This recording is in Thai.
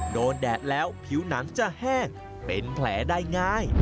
แดดแล้วผิวหนังจะแห้งเป็นแผลได้ง่าย